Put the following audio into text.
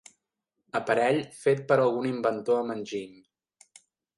Aparell fet per algun inventor amb enginy.